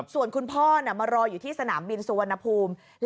ส่วนคุณพ่อมารออยู่ที่สนามบินสุวรรณภูมิ